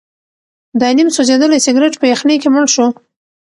دا نیم سوځېدلی سګرټ په یخنۍ کې مړ شو.